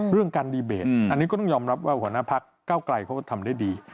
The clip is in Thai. เรื่องการดีเบตอันนี้ก็ต้องยอมรับว่าหัวหน้าพักเก้าไกลเขาก็ทำได้ดี